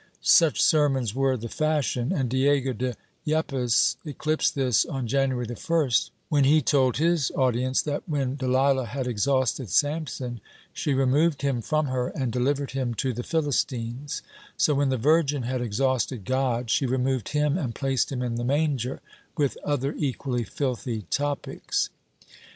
Such sermons were the fashion, and Diego de Yepes eclipsed this, on January 1st, when he told his audience that when Delilah had exhausted Samson she removed him from her and delivered him to the Philistines, so when the Virgin had exhausted God she removed him and placed him in the manger, with other equally filthy topics.